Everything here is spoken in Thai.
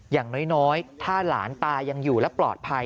อย่างน้อยถ้าหลานตายังอยู่และปลอดภัย